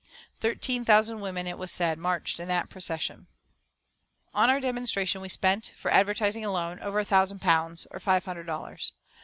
Thirteen thousand women, it was said, marched in that procession. On our demonstration we spent, for advertising alone, over a thousand pounds, or five thousand dollars.